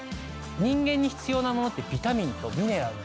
人間に必要なものってビタミンとミネラル。